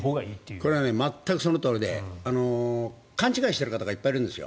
これは全くそのとおりで勘違いしている方がいっぱいいるんですよ。